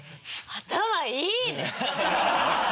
頭いいね。